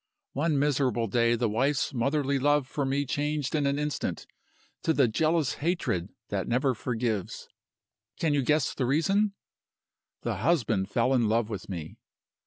One miserable day the wife's motherly love for me changed in an instant to the jealous hatred that never forgives. Can you guess the reason? The husband fell in love with me.